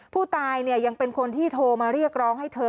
ผู้ตายยังเป็นคนที่โทรมาเรียกร้องให้เธอ